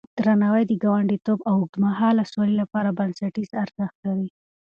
درناوی د ګاونډيتوب او اوږدمهاله سولې لپاره بنسټيز ارزښت لري.